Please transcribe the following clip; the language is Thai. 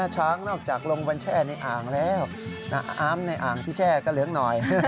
ช้างนอกจากลงบนแช่ในอ่างแล้วอ้ำในอ่างที่แช่ก็เหลืองหน่อย